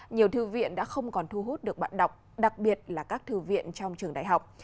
nhiều thư viện đã không còn thu hút được bạn đọc đặc biệt là các thư viện trong trường đại học